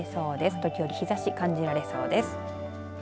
時折日ざしが感じられそうです。